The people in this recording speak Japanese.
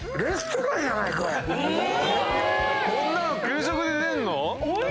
こんなの給食で出んの？